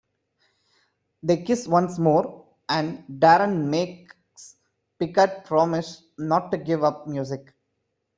They kiss once more, and Daren makes Picard promise not to give up music.